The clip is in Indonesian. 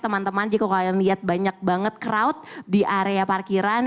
teman teman jika kalian lihat banyak banget crowd di area parkiran